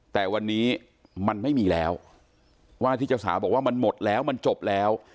แต่วันนี้มันไม่มีแล้วว่าที่เจ้าสาวบอกว่ามันหมดแล้วมันจบแล้ว